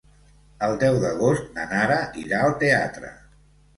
El deu d'agost na Nara irà al teatre.